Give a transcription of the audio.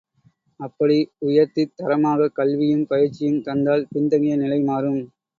அப்படி உயர்த்தித் தரமாகக் கல்வியும் பயிற்சியும் தந்தால் பின்தங்கிய நிலை மாறும்.